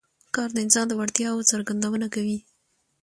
کار د انسان د وړتیاوو څرګندونه کوي